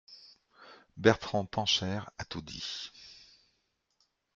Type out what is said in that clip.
Bertrand Pancher a tout dit.